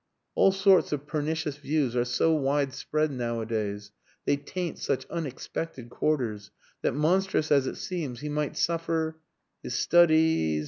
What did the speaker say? "All sorts of pernicious views are so widespread nowadays they taint such unexpected quarters that, monstrous as it seems, he might suffer ...his studies...